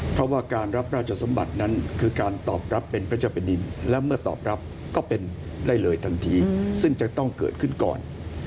เพราะว่าการรับราชสมบัตินั้นคือการตอบรับเป็นพระเจ้าแผ่นดินและเมื่อตอบรับก็เป็นได้เลยทันทีซึ่งจะต้องเกิดขึ้นก่อน